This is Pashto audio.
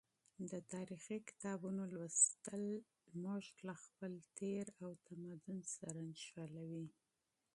د تاریخي کتابونو لوستل موږ له خپل تیر او تمدن سره نښلوي.